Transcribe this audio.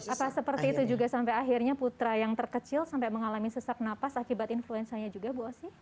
apa seperti itu juga sampai akhirnya putra yang terkecil sampai mengalami sesak napas akibat influenzanya juga bu osy